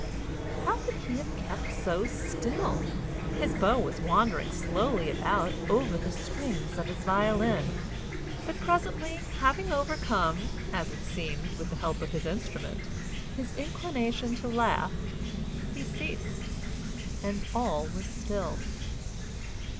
How could he have kept so still! His bow was wandering slowly about over the strings of his violin; but presently, having overcome, as it seemed, with the help of his instrument, his inclination to laugh, he ceased, and all was still.